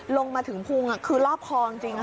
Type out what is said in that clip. ลงมาถึงพุงคือรอบคอจริง